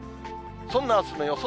そんなあすの予想